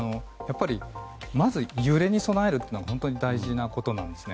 まず揺れに備えるというのは本当に大事なことなんですね。